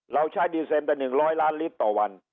เราใช้ดีเซนไป๑๐๐ล้านลิตรต่อวัน